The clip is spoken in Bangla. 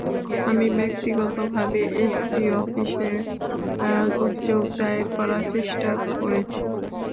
আমি ব্যক্তিগতভাবে এসপি অফিসে অভিযোগ দায়ের করার চেষ্টা করেছি।